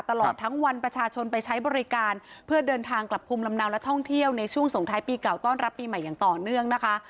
ตลอดทั้งวันประชาชนไปใช้บริการเพื่อเดินทางกลับภูมิลำเนาและท่องเที่ยวในช่วงส่งท้ายปีเก่าต้อนรับปีใหม่อย่างต่อเนื่องนะคะ